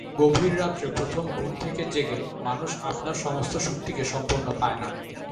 গভীর রাত্রে প্রথম ঘুম থেকে জেগে মানুষ আপনার সমস্ত শক্তিকে সম্পূর্ণ পায় না।